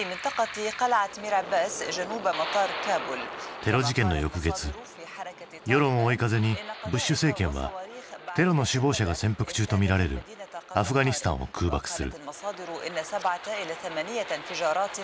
テロ事件の翌月世論を追い風にブッシュ政権はテロの首謀者が潜伏中とみられるアフガニスタンを空爆する。